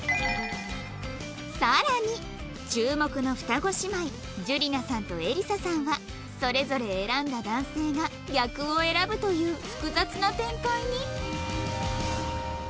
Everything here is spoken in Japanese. さらに注目の双子姉妹じゅりなさんとえりささんはそれぞれ選んだ男性が逆を選ぶという複雑な展開に